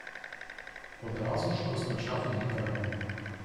Одразу ж розпочав нові перегони